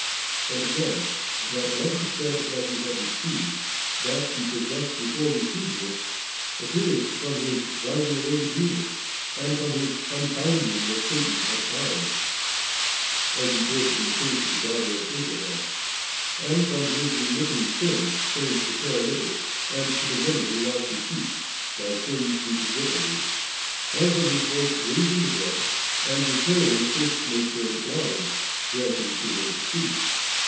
And again, that what He said that He had received, that He possessed before receiving it, appears from His driving away the demons, and from His un binding what Satan had bound, as He did in the case of the daughter of Abraham ; and from His remitting sins, saying to the paralytic, and to the woman who washed His feet, * Thy sins be forgiven thee 3 ;' and from His both raising the dead, and repairing the first nature of the blind, granting to him to see.